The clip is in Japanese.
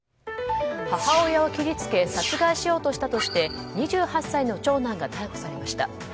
母親を切り付け殺害しようとしたとして２８歳の長男が逮捕されました。